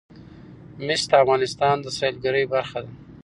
مس د افغانستان د سیلګرۍ برخه ده.